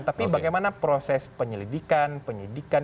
tapi bagaimana proses penyelidikan penyidikan